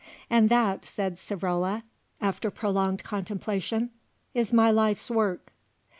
"And that," said Savrola after prolonged contemplation, "is my life's work."